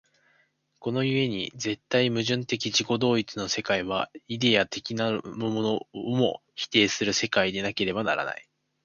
この故に絶対矛盾的自己同一の世界は、イデヤ的なるものをも否定する世界でなければならない。